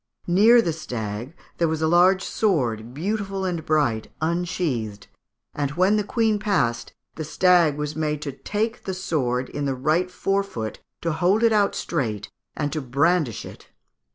Near the stag there was a large sword, beautiful and bright, unsheathed; and when the Queen passed, the stag was made to take the sword in the right fore foot, to hold it out straight, and to brandish it.